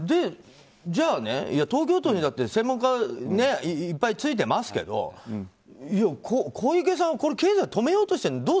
じゃあ、東京都にだって専門家はいっぱいついてますけれども小池さんは経済止めようとしてるの？